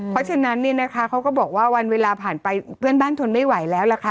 เพราะฉะนั้นเนี่ยนะคะเขาก็บอกว่าวันเวลาผ่านไปเพื่อนบ้านทนไม่ไหวแล้วล่ะค่ะ